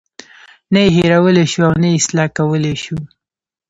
نه یې هیرولای شو او نه یې اصلاح کولی شو.